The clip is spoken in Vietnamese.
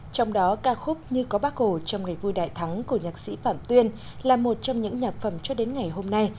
trong đó ca khúc như có bác hồ trong ngày vui đại thắng của nhạc sĩ phạm tuyên là một trong những nhạc phẩm cho đến ngày hôm nay